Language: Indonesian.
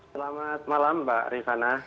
selamat malam mbak rifana